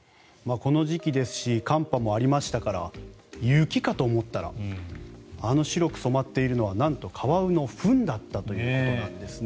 この時期ですし寒波もありましたから雪かと思ったらあの白く染まっているのはなんとカワウのフンだったということなんですね。